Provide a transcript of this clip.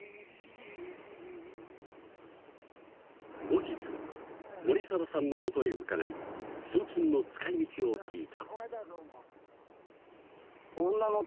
後日森澤さんの元へ伺い賞金の使い道を聞いたこの間はどうも